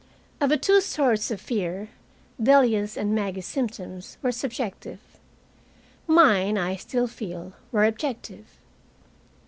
Of the two sorts of fear, Delia's and Maggie's symptoms were subjective. Mine, I still feel, were objective.